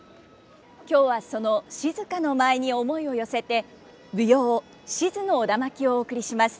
今日はその静の舞に思いを寄せて舞踊「賤の苧環」をお送りします。